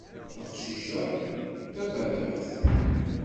Aqcic-a d taballaɣt.